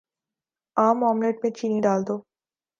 عام آملیٹ میں چینی ڈال دو